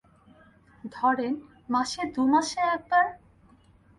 ধরেন মাসে, দুমাসে একবার।